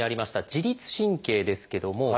自律神経ですけどもこちら。